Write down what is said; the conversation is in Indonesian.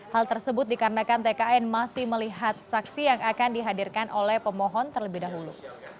hal tersebut dikarenakan tkn masih melihat saksi yang akan dihadirkan oleh pemohon terlebih dahulu